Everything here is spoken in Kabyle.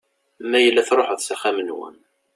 Ma yella truḥeḍ s axxam-nwen.